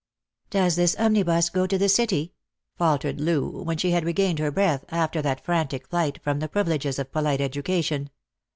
" Does this omnibus go to the City ?" faltered Loo, when she had regained her breath after that frantic flight from the privi leges of polite education.